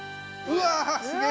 うわ！